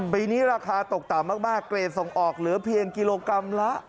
ปีนี้ราคาตกต่ำมากเกรดส่งออกเหลือเพียงกิโลกรัมละ